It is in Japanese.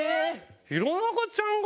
弘中ちゃんが？